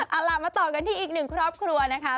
เอาล่ะมาต่อกันที่อีกหนึ่งครอบครัวนะคะ